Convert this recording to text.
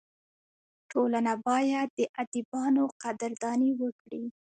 ټولنه باید د ادیبانو قدرداني وکړي.